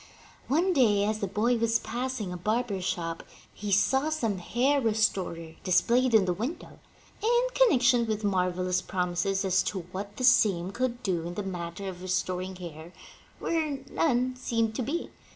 One day, as the boy was passing a barber's shop, he saw some hair restorer displayed in the window, in connection with marvelous promises as to what the same could do in the matter of restoring hair where none seemed to be.